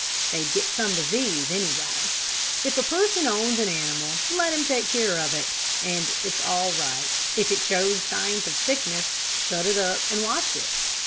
They'd get some disease, anyway. If a person owns an animal, let him take care of it, and it's all right. If it shows signs of sickness, shut it up and watch it.